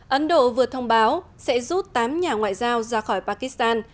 ấn độ vừa thông báo sẽ rút tám nhà ngoại giao ra khỏi pakistan